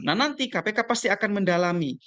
nah nanti kpk pasti akan mendalami